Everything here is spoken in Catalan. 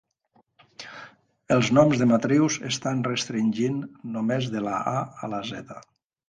Els noms de matrius estan restringit només de la A a la Z.